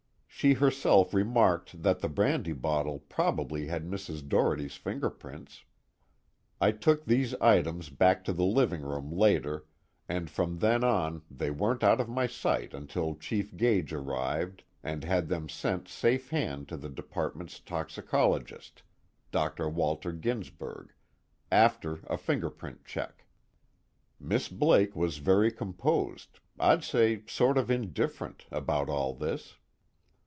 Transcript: She herself remarked that the brandy bottle probably had Mrs. Doherty's fingerprints. I took these items back to the living room later, and from then on they weren't out of my sight until Chief Gage arrived and had them sent safe hand to the Department's toxicologist Dr. Walter Ginsberg, after a fingerprint check. Miss Blake was very composed, I'd say sort of indifferent, about all this.